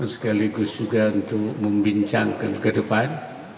sekaligus juga untuk membincangkan ke depan